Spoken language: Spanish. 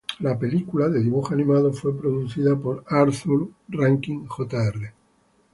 La película, de dibujos animados, fue producida por Arthur Rankin Jr.